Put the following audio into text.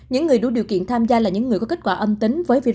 những người đủ điều kiện tham gia là những người có kết quả âm tính